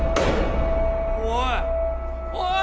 おい！